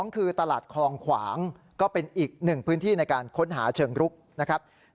คือตลาดคลองขวางก็เป็นอีกหนึ่งพื้นที่ในการค้นหาเชิงรุกนะครับ